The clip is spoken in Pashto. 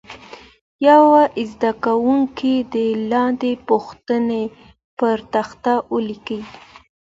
یو زده کوونکی دې لاندې پوښتنې پر تخته ولیکي.